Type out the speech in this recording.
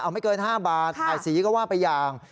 ไม่เกิน๕บาทถ่ายสีก็ว่าไปอย่าง